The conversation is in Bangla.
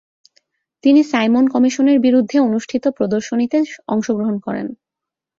তিনি সাইমন কমিশনের বিরুদ্ধে অনুষ্ঠিত প্রদর্শনিতে অংশগ্রহণ করেন ।